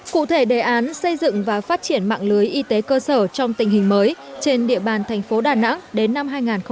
cụ thể đề án xây dựng và phát triển mạng lưới y tế cơ sở trong tình hình mới trên địa bàn thành phố đà nẵng đến năm hai nghìn ba mươi